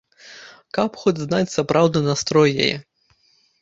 Каб хоць знаць сапраўдны настрой яе!